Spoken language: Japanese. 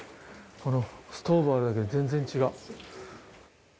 このストーブがあるだけで全然違う。